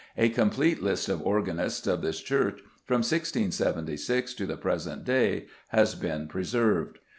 A complete list of organists of this church, from 1676 to the present day, has been preserved.